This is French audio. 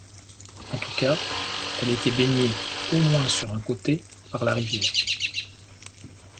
En tout cas, elle était baignée, au moins sur un côté, par la rivière.